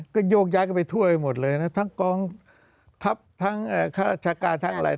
ก็โยกย้ายกันไปทั่วไปหมดเลยนะทั้งกองทัพทั้งข้าราชการทั้งอะไร